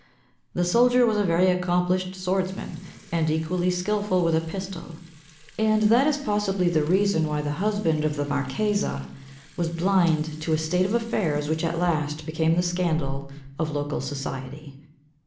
The soldier was a very accomplished swordsman and equally skilful with a pistol, and that is possibly the reason why the husband of the marchesa was blind to a state of affairs which at last became the scandal of local society.